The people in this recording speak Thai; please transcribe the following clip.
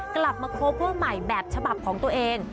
กลับมาโคเวอร์ใหม่แบบฉบับของตัวเอง